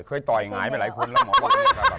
เคยต่อยหงายไปหลายคนแล้วหมอว่า